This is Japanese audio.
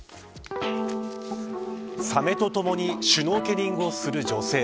サメとともにシュノーケリングをする女性